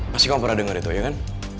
pasti kamu pernah dengar itu ya kan